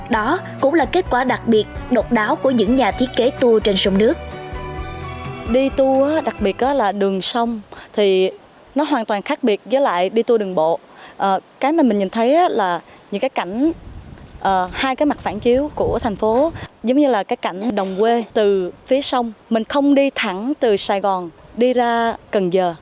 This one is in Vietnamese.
đó cũng là kết quả đặc biệt nộp đáo của những nhà thiết kế tour trên sông nước